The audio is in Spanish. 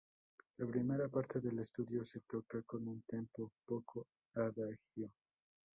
La primera parte del estudio se toca con un tempo "poco adagio".